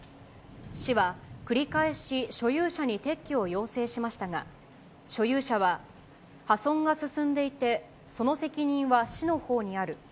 市は繰り返し所有者に撤去を要請しましたが、所有者は破損が進んでいて、その責任は市のほうにある。